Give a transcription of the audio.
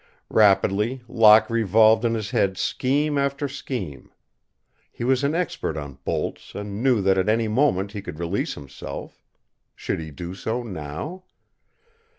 Rapidly Locke revolved in his head scheme after scheme. He was an expert on bolts and knew that at any moment he could release himself. Should he do so now?